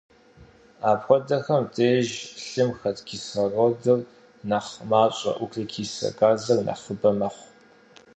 Апхуэдэхэм деж лъым хэт кислородыр нэхъ мащӏэ, углекислэ газыр нэхъыбэ мэхъу.